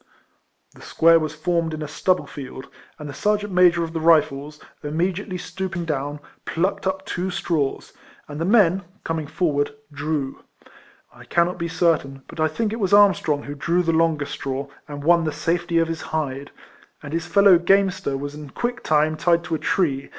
The square was formed in a stubble field, and the sergeant major of the Rifles, imme diately stooping down, plucked up two straws, and the men, coming forward, drew. I cannot be quite certain, but I think it was Armstrong who drew the longest straw, and won the safety of his hide; and his fellow gamester was in quick time tied to a tree?